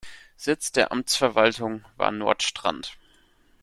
Sitz der Amtsverwaltung war Nordstrand.